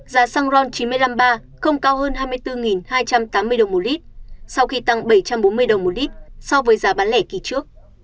giá xăng ron chín trăm năm mươi ba không cao hơn hai mươi bốn hai trăm tám mươi đồng một lít sau khi tăng bảy trăm bốn mươi đồng một lít so với giá bán lẻ kỳ trước